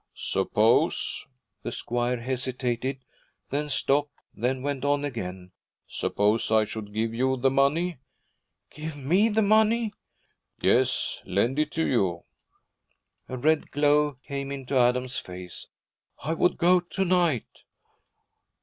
'Suppose,' the squire hesitated, then stopped, then went on again, 'suppose I should give you the money?' 'Give me the money!' 'Yes, lend it to you?' A red glow came into Adam's face. 'I would go to night.'